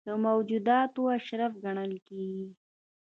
د موجوداتو اشرف ګڼل کېږي.